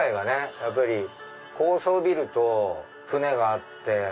やっぱり高層ビルと船があって。